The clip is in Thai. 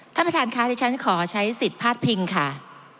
ท่านประธานค่ะที่ฉันขอใช้สิทธิ์พาดพิงค่ะ